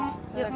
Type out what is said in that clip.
yuk yuk yuk